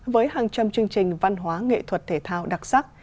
với hàng trăm chương trình văn hóa nghệ thuật thể thao đặc sắc